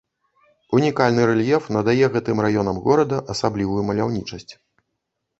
Унікальны рэльеф надае гэтым раёнам горада асаблівую маляўнічасць.